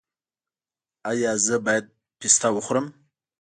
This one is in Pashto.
ایا زه باید پسته وخورم؟